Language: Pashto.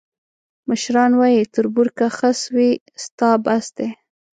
مشران وایي: تربور که خس وي، ستا بس دی.